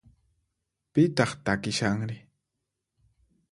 Pitaq takishanri?